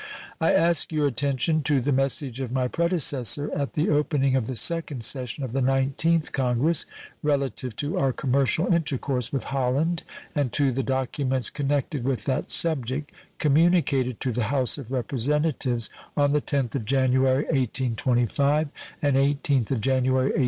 I ask your attention to the message of my predecessor at the opening of the second session of the 19th Congress, relative to our commercial intercourse with Holland, and to the documents connected with that subject, communicated to the House of Representatives on the 10th of January, 1825, and 18th of January, 1827.